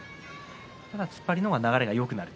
突っ張りの方が流れがよくなる。